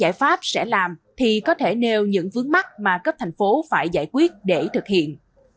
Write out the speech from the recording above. giải pháp sẽ làm thì có thể nêu những vướng mắt mà cấp thành phố phải giải quyết để thực hiện